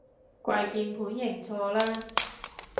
跪鍵盤認錯啦